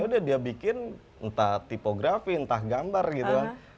udah dia bikin entah tipografi entah gambar gitu kan